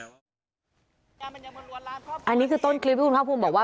ปเจมส์อันนี้คือต้นคลิปคุณครอบครูบอกว่า